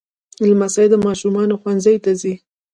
لمسی د ماشومانو ښوونځي ته ځي.